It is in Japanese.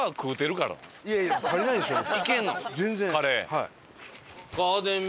はい。